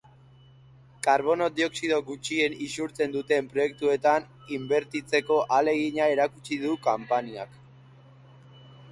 Karbono dioxido gutxien isurtzen duten proiektuetan inbertitzeko ahalegina erakutsi du konpainiak.